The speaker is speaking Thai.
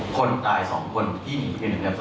คนตาย๒คนที่มี๑เนื้อสภาพ